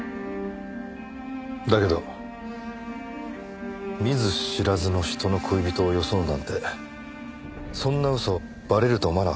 だけど見ず知らずの人の恋人を装うなんてそんな嘘バレると思わなかったんですか？